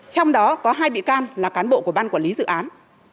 trong đó có hai bị can là cán bộ của ban quản lý dự án